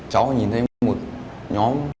cháu nhìn thấy một nhóm